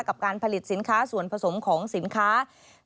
กับการผลิตสินค้าส่วนผสมของสินค้า